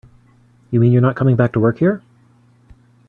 You mean you're not coming back to work here?